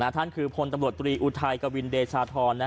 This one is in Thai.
ท่านคือพตำตอุทายเกอวินเดชทร